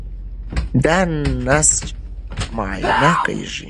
دا نسج معاینه کېږي.